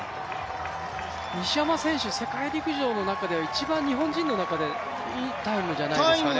西山選手、世界陸上の中では日本の中でいいタイムじゃないですかね。